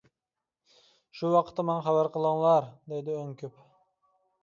شۇ ۋاقىتتا ماڭا خەۋەر قىلىڭلار دەيدۇ ئۆڭۈپ.